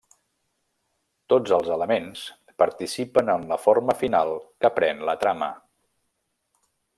Tots els elements participen en la forma final que pren la trama.